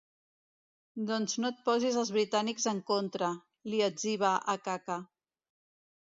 Doncs no et posis els britànics en contra —li etziba Akaka.